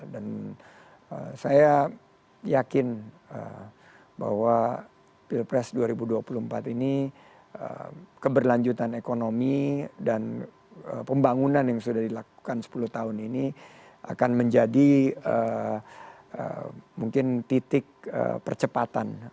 saya yakin bahwa pilpres dua ribu dua puluh empat ini keberlanjutan ekonomi dan pembangunan yang sudah dilakukan sepuluh tahun ini akan menjadi mungkin titik percepatan